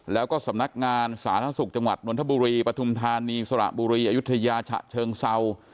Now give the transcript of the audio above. แล้วก็สำนักงานสาธารณสุขจังหวัดนทบุรีปฐุมธานีสระบุรีอายุทยาฉะเชิงเศร้า